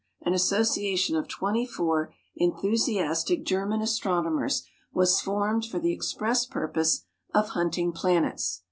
An association of twenty four enthusiastic German astronomers was formed for the express purpose of hunting planets.